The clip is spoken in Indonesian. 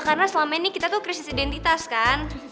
karena selama ini kita tuh krisis identitas kan